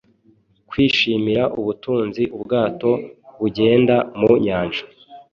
Kwishimira ubutunzi ubwato bugenda mu nyanja